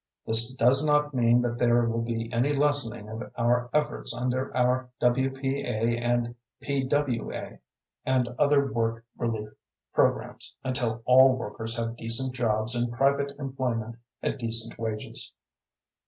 This does not mean that there will be any lessening of our efforts under our W.P.A. and P.W.A. and other work relief programs until all workers have decent jobs in private employment at decent wages.